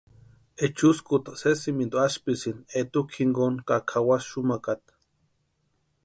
Echuskuta sésimintu asïpisïnti etukwa jinkoni ka kʼawasï xumakata.